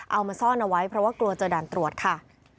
เอามาซ่อนเอาไว้เพราะว่ากลัวเจอด่านตรวจค่ะ